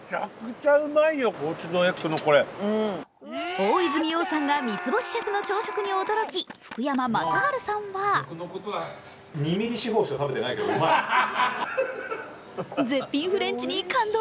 大泉洋さんが三つ星シェフの朝食に驚き、福山雅治さんは絶品フレンチに感動。